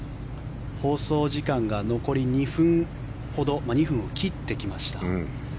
放送時間が残り２分ほど２分を切ってきました。